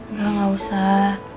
nggak nggak usah